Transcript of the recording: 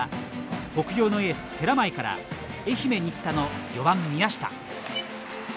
北陽のエース寺前から愛媛・新田の４番宮下。